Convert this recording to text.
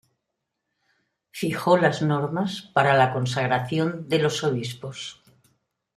Fijó las normas para la consagración de los Obispos.